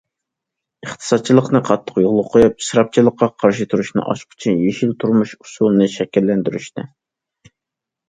ئىقتىسادچىللىقنى قاتتىق يولغا قويۇپ، ئىسراپچىلىققا قارشى تۇرۇشنىڭ ئاچقۇچى يېشىل تۇرمۇش ئۇسۇلىنى شەكىللەندۈرۈشتە.